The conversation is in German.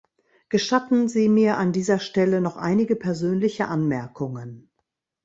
Gestatten Sie mir an dieser Stelle noch einige persönliche Anmerkungen.